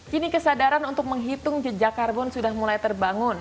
kini kesadaran untuk menghitung jejak karbon sudah mulai terbangun